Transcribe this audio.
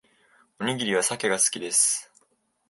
おにぎりはサケが好きです